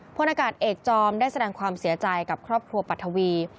พลอากาศเอกจอมได้แสดงความเสียใจกับครอบครัวปัทวี